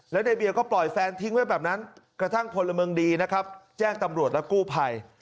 แล้วในเบียร์ก็ปล่อยแฟนทิ้งไว้แบบนั้นกระทั่งพลเมืองดีนะครับแจ้งตำรวจและกู้ภัย